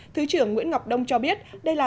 thứ trưởng nguyễn ngọc đông cho biết